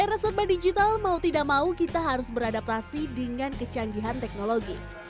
era serba digital mau tidak mau kita harus beradaptasi dengan kecanggihan teknologi